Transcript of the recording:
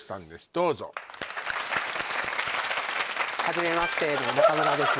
どうぞ初めまして中村です